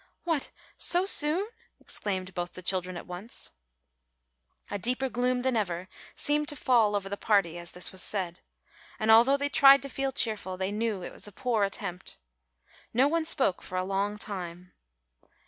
"What, so soon?" exclaimed both the children at once. A deeper gloom than ever seemed to fall over the party as this was said, and although they tried to feel cheerful, they knew it was a poor attempt. No one spoke for a long time.